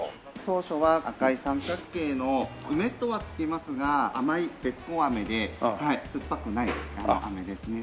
当初は赤い三角形の「梅」とはつきますが甘いべっこう飴で酸っぱくない飴ですね。